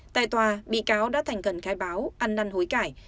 tại tòa bị cáo đã thành khẩn khai báo ăn năn hối cải